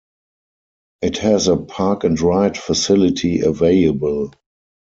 It has a park and ride facility available.